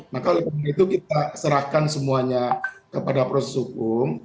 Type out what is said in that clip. maka oleh karena itu kita serahkan semuanya kepada proses hukum